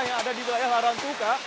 yang ada di wilayah larantuka